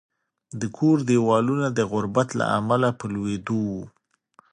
د کور دېوالونه د غربت له امله په لوېدو وو